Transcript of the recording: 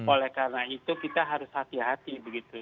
oleh karena itu kita harus hati hati begitu